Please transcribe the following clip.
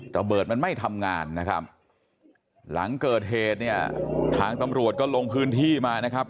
ระเบิดมันไม่ทำงานนะครับหลังเกิดเหตุเนี่ยทางตำรวจก็ลงพื้นที่มานะครับ